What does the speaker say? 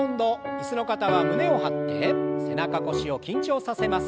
椅子の方は胸を張って背中腰を緊張させます。